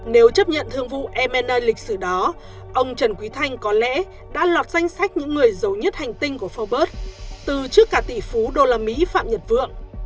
nếu chấp nhận thương vụ m a lịch sử đó ông trần quý thanh có lẽ đã lọt danh sách những người giấu nhất hành tinh của forbes từ trước cả tỷ phú usd phạm nhật vượng